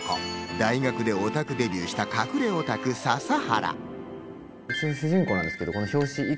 大学でオタクデビューした、隠れオタク・笹原。